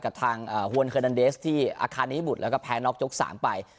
กับทางฮวนเคอร์ดันเดสที่อาคารนิบุตรแล้วก็แพ้น็อกยก๓ไป